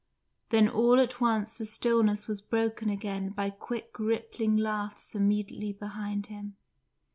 Then all at once the stillness was broken again by quick rippling laughs immediately behind him.